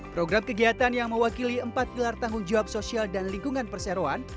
program kegiatan yang mewakili empat pilar tanggung jawab sosial dan lingkungan perseroan